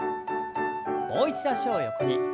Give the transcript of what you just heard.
もう一度脚を横に。